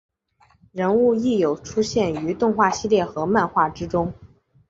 人物亦有出现于动画系列和漫画之中。